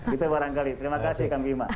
kita barangkali terima kasih kang bima